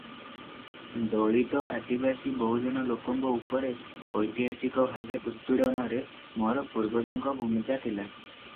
ଦଳିତ-ଆଦିବାସୀ-ବହୁଜନ ଲୋକଙ୍କ ଉପରେ ଐତିହାସିକ ଭାବେ ଉତ୍ପୀଡ଼ନରେ ମୋର ପୂର୍ବଜଙ୍କ ଭୂମିକା ଥିଲା ।